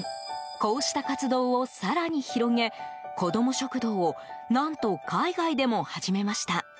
こうした活動を更に広げこども食堂を何と、海外でも始めました。